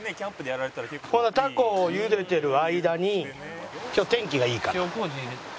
ほんならタコを茹でてる間に今日天気がいいから。